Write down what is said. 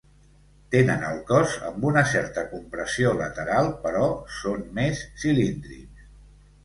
Tenen el cos amb una certa compressió lateral però són més cilíndrics.